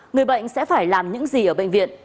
người bệnh sẽ phải làm những gì ở bệnh viện